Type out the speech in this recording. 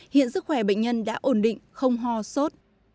hiện sức khỏe bệnh nhân đã ổn định không ho sốt